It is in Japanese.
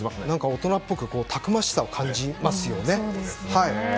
大人っぽくたくましさを感じますよね。